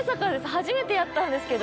初めてやったんですけれど。